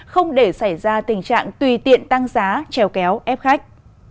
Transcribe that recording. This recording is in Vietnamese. không để xảy ra tình trạng tùy tiện tăng giá trèo kéo ép khách